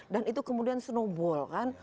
dan itu kemudian snowball kan